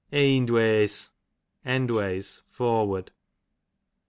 Eendways, endways, foncard.